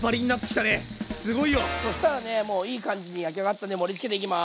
そしたらねもういい感じに焼き上がったんで盛りつけていきます。